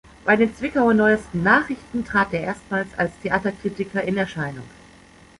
Bei den "Zwickauer Neuesten Nachrichten" trat er erstmals als Theaterkritiker in Erscheinung.